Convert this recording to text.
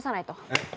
えっ。